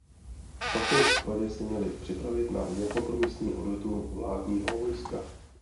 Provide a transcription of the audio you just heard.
V opačném případě se měli připravit na nekompromisní odvetu vládního vojska.